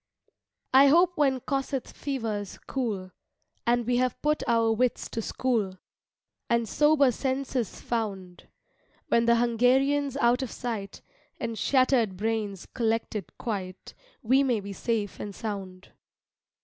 I hope when Kossuth fever's cool And we have put our wits to school, And sober senses found; When the Hungarian's out of sight And shattered brains collected quite, We may be safe and sound.